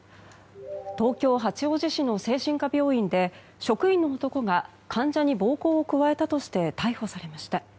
東京・八王子市の精神科病院で職員の男が患者に暴行を加えたとして逮捕されました。